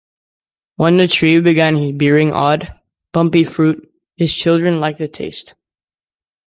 When the tree began bearing odd, bumpy fruit, his children liked the taste.